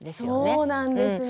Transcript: そうなんですね。